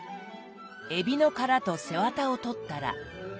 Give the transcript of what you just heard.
えびの殻と背わたを取ったら。